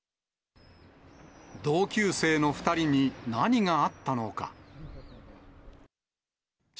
同級生の２人に何があったのか。